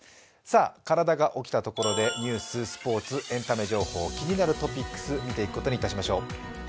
体が起きたところで、ニュース、スポーツ、エンタメ情報、気になるトピックス、見ていくことにいたしましょう。